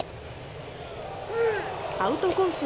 アウトコース